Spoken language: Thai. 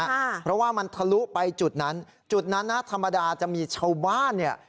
เพราะว่ามันทะลุไปจุดนั้นจุดนั้นนะธรรมดาจะมีชาวบ้านเนี่ย